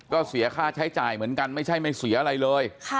ก็เสียค่าใช้จ่ายเหมือนกันไม่ใช่ไม่เสียอะไรเลย